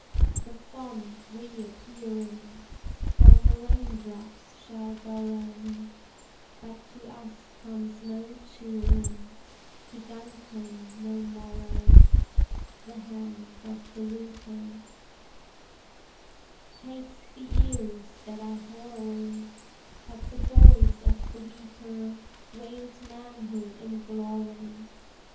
The font, reappearing, From the rain drops shall borrow, But to us comes no cheering, To Duncan no morrow: The hand of the reaper Takes the ears that are hoary; But the voice of the weeper Wails manhood in glory.